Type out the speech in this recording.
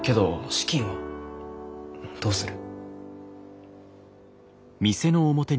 資金はどうする？